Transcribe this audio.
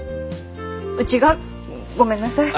うちがごめんなさい。